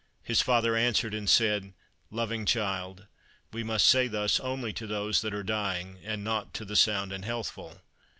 His father answered and said, "Loving child, we must say thus only to those that are dying, and not to the sound and healthful."